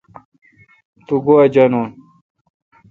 تو گوا جانون۔